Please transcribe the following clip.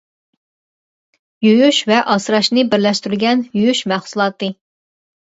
يۇيۇش ۋە ئاسراشنى بىرلەشتۈرگەن يۇيۇش مەھسۇلاتى.